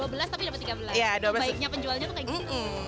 baiknya penjualnya tuh kayak gitu